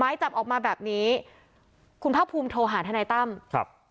จับออกมาแบบนี้คุณภาคภูมิโทรหาทนายตั้มครับ